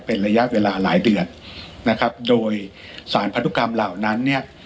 เป็นระยะเวลาหลายเดือนนะครับโดยสารพันธุกรรมเหล่านั้นเนี่ย